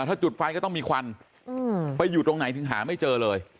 ถ้าจุดไฟก็ต้องมีควันไปอยู่ตรงไหนถึงหาไม่เจอเลย